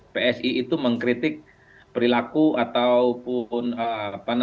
dan di situ ada puji pujian yang cukup luar biasa terhadap prabowo subianto dan meski pada saat kesamaan sebenarnya